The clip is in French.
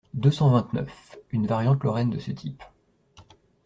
deux cent vingt-neuf), une variante lorraine de ce type.